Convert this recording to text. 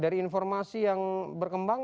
dari informasi yang berkembang